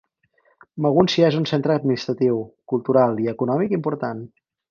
Magúncia és un centre administratiu, cultural i econòmic important.